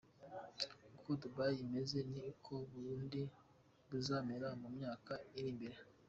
Uko Dubai imeze niko u Burundi buzamera mu myaka iri imbere.